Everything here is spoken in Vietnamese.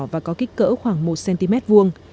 và có kích cỡ khoảng một cm vuông